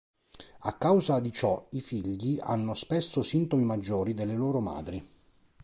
A causa di ciò i figli hanno spesso sintomi maggiori delle loro madri.